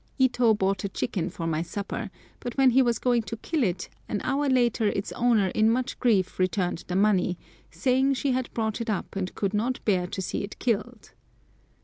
Ito bought a chicken for my supper, but when he was going to kill it an hour later its owner in much grief returned the money, saying she had brought it up and could not bear to see it killed.